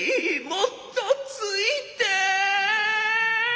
もっと突いてえ」。